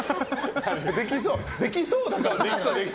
できそうだから。